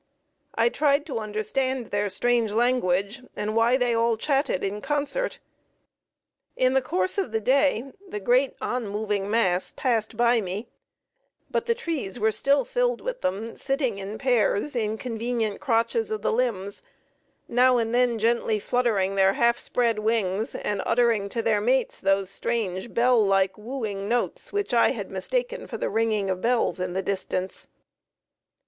I tried to understand their strange language, and why they all chatted in concert. In the course of the day the great on moving mass passed by me, but the trees were still filled with them sitting in pairs in convenient crotches of the limbs, now and then gently fluttering their half spread wings and uttering to their mates those strange, bell like wooing notes which I had mistaken for the ringing of bells in the distance.